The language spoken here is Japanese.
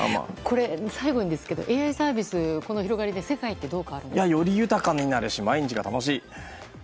最後に、ＡＩサービスこの広がりで世界ってより豊かになるし毎日が楽しい。